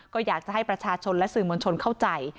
ก็อยากจะให้ประชาชนและสื่อมวลชนเข้าใจ